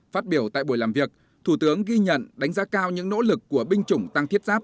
phát biểu tại buổi làm việc thủ tướng ghi nhận đánh giá cao những nỗ lực của binh chủng tăng thiết giáp